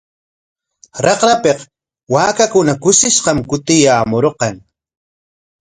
Raqrapik waakakuna kushishqa kutiyaamurqan.